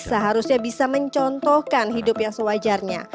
seharusnya bisa mencontohkan hidup yang sewajarnya